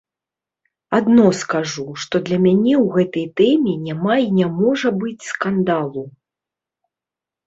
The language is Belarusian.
Адно скажу, што для мяне ў гэтай тэме няма і не можа быць скандалу.